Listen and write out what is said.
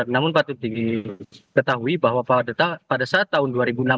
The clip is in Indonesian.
namun patut diketahui bahwa pada saat tahun dua ribu enam belas